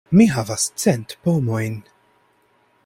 Mi havas cent pomojn.